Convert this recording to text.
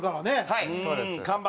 はいそうです。